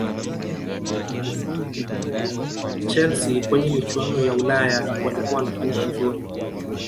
Chelsea kwenye michuano ya Ulaya walikuwa wanafanya vizuri